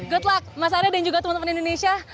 good luck mas arya dan juga teman teman indonesia